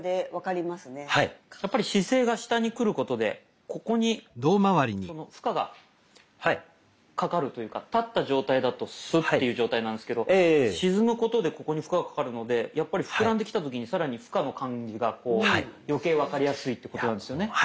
やっぱり姿勢が下にくることでここに負荷がかかるというか立った状態だとスッていう状態なんですけど沈むことでここに負荷がかかるのでやっぱり膨らんできた時に更に負荷の感じがこう余計分かりやすいってことなんですよね。